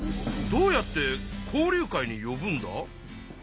どうやって交流会によぶんだ？